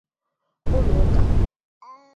ụlọụka